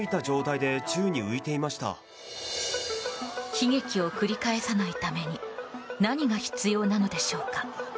悲劇を繰り返さないために何が必要なのでしょうか。